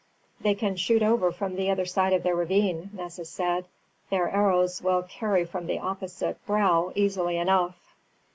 "They can shoot over from the other side of the ravine," Nessus said; "their arrows will carry from the opposite brow easily enough."